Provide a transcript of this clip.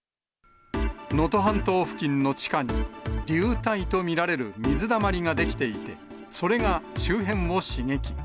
能登半島付近の地下に、流体と見られる水だまりが出来ていて、それが周辺を刺激。